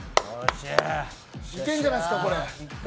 いけるんじゃないですかこれ。